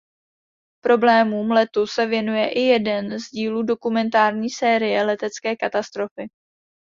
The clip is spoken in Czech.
Problémům letu se věnuje i jeden z dílů dokumentární série "Letecké katastrofy".